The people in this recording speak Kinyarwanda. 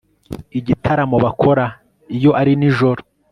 igitaramo bakora iyo ari nijoro